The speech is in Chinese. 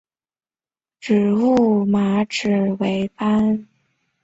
海马齿为番杏科海马齿属的植物。